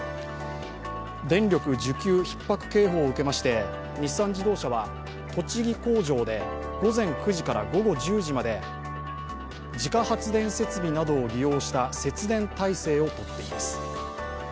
電力需給ひっ迫警報を受けまして日産自動車は栃木工場で午前９時から午後１０時まで、自家発電設備などを利用した節電態勢をとっています。